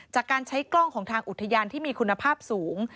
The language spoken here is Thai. จากการใช้กล้องของทางอุทยานที่มีคุณภาพสูง